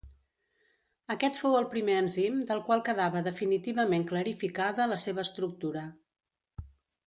Aquest fou el primer enzim del qual quedava definitivament clarificada la seva estructura.